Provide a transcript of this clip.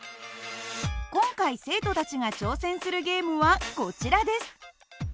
今回生徒たちが挑戦するゲームはこちらです。